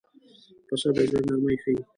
پسه د زړه نرمي ښيي.